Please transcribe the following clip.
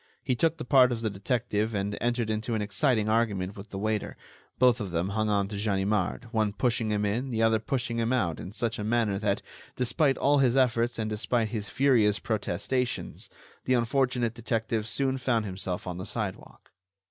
He took the part of the detective and entered into an exciting argument with the waiter; both of them hung on to Ganimard, one pushing him in, the other pushing him out in such a manner that, despite all his efforts and despite his furious protestations, the unfortunate detective soon found himself on the sidewalk.